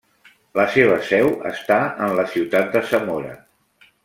La seva seu està en la ciutat de Zamora.